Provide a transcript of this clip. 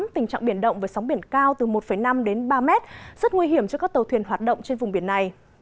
tình trạng biển động với sóng biển cao từ một năm đến ba mét rất nguy hiểm cho các tàu thuyền hoạt động trên vùng biển này